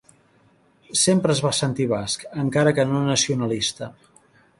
Sempre es va sentir basc, encara que no nacionalista.